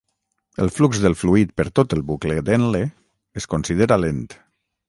El flux del fluid per tot el bucle d'Henle es considera lent.